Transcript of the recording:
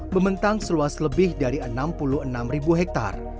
mementang seluas lebih dari enam puluh enam hektar